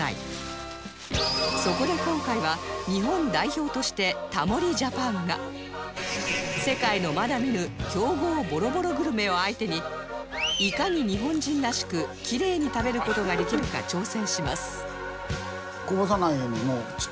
そこで今回は日本代表としてタモリ ＪＡＰＡＮ が世界のまだ見ぬ強豪ボロボログルメを相手にいかに日本人らしくきれいに食べる事ができるか挑戦しますハハハハッ！